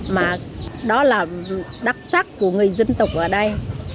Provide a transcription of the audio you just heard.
mà đó là đặc sắc của người dân tộc ở đây